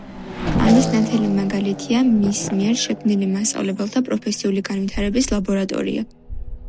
ამის ნათელი მაგალითია მის მიერ შექმნილი მასწავლებელთა პროფესიული განვითარების ლაბორატორია.